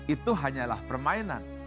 itu hanyalah permainan